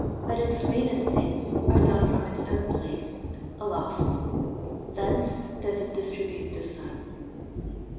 But its greatest things are done from its own place, aloft. Thence does it distribute the sun.